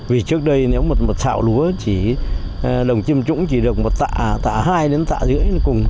vì trước đây nếu một thảo lúa đồng chiêm trũng chỉ được một tạ tạ hai đến tạ rưỡi cùng